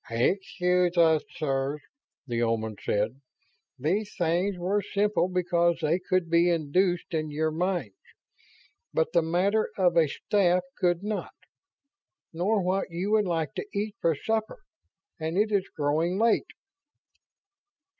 "Excuse us, sirs," the Omans said, "These things were simple because they could be induced in your minds. But the matter of a staff could not, nor what you would like to eat for supper, and it is growing late."